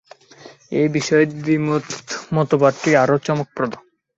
এই বিষয়ে দ্বিতীয় মতবাদটি আরও চমকপ্রদ।